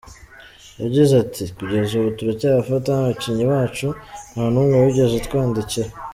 Yagize ati “ Kugeza ubu turacyabafata nk’abakinnyi bacu, nta n’umwe wigeze atwandikira.